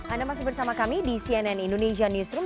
anda masih bersama kami di cnn indonesia newsroom